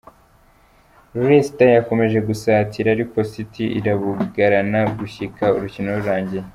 Leicester yakomeje gusatira, ariko City irabugarana gushika urukino rurangiye.